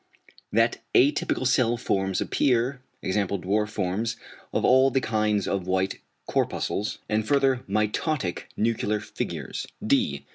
=that atypical cell forms appear=, e.g. =dwarf forms of all the kinds of white corpuscles; and further mitotic nuclear figures=; D.